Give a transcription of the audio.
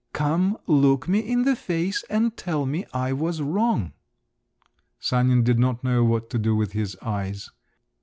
"Come, look me in the face and tell me I was wrong!" Sanin did not know what to do with his eyes.